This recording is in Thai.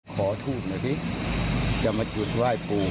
ขอทูบหน่อยสิจะมาจุดไหว้ปู่